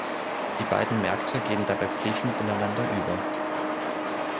Die beiden Märkte gehen dabei fließend ineinander über.